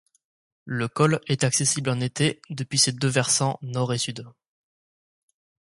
Le col est accessible en été depuis ses deux versants nord et sud.